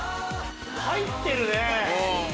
入ってるね。